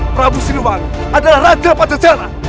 prabu sinduwangi adalah raja pajajara